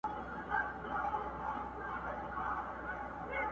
په پسته ژبه يې نه واى نازولى!!